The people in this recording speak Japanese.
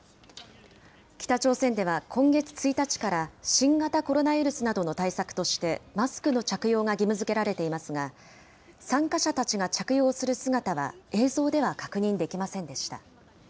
北朝鮮では今月１日から、新型コロナウイルスなどの対策として、マスクの着用が義務づけられていますが、参加者たちが着用する姿は、映像では確認できませんでした。